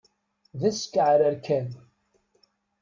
D askeɛrer kan!